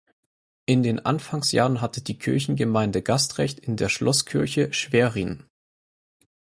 In den Anfangsjahren hatte die Kirchengemeinde Gastrecht in der Schlosskirche Schwerin.